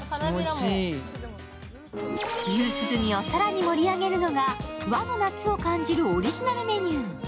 夕涼みを更に盛り上げるのが和の夏を感じるオリジナルメニュー。